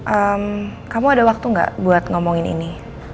eh kamu ada waktu gak buat ngomongin ini